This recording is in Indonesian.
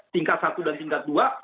tingkat satu dan tingkat dua